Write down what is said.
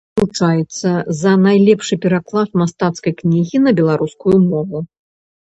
Уручаецца за найлепшы пераклад мастацкай кнігі на беларускую мову.